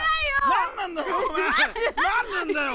何なんだよ。